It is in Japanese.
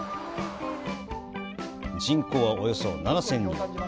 人口は、およそ７０００人。